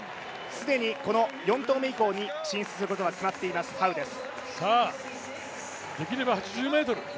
既にこの４投目以降に進出することが決まっているハウです。